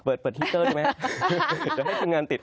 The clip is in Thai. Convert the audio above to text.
เปิดฮีเตอร์ใช่ไหมเดี๋ยวให้คุณงานติด